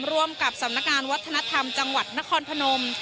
ร่วมกับสำนักงานวัฒนธรรมจังหวัดนครพนม